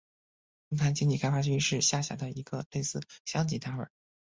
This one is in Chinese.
龙潭经济开发区是下辖的一个类似乡级单位。